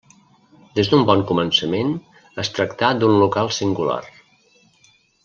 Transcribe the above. Des d'un bon començament es tractà d'un local singular.